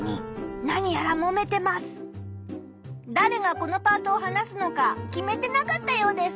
だれがこのパートを話すのか決めてなかったようです。